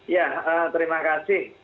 ya terima kasih